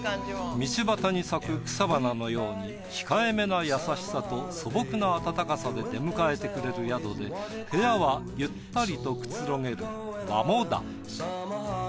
道端に咲く草花のように控え目な優しさと素朴なあたたかさで出迎えてくれる宿で部屋はゆったりとくつろげる和モダン。